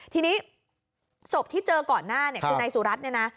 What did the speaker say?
ทีนี้ศพที่เจอก่อนหน้าในสุรัฐเนี่ยนะ